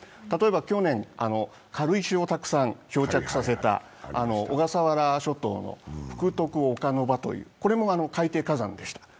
例えば去年、軽石をたくさん漂着させた小笠原諸島の福徳岡ノ場という、これも海底火山でした。